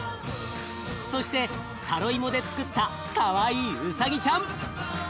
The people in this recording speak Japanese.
そしてタロイモでつくったかわいいうさぎちゃん。